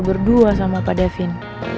berdua sama pak david